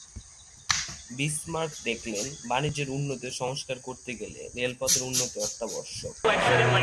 Bismarck দেখলেন বাণিজ্যের উন্নতি ও সংস্কার করতে গেলে রেলপথের উন্নতি অত্যাবশ্যক।